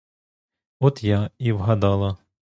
От я і вгадала.